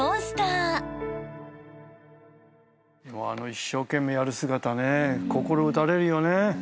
一生懸命やる姿ね心打たれるよね。